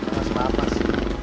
mas bapak sih